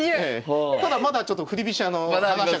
ただまだちょっと振り飛車の方。